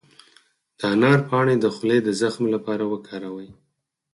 د انار پاڼې د خولې د زخم لپاره وکاروئ